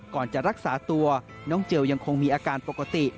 จะรักษาตัวน้องเจลยังคงมีอาการปกติ